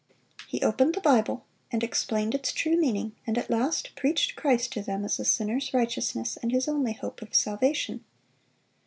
He opened the Bible, and explained its true meaning, and at last preached Christ to them as the sinner's righteousness and his only hope of salvation.